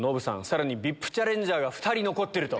さらにＶＩＰチャレンジャーが２人残ってる。